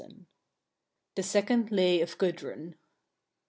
THE SECOND LAY OF GUDRUN.